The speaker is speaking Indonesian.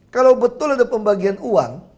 kalau betul ada pembagian uang